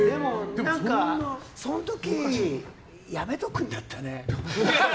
その時、やめておくんだったね。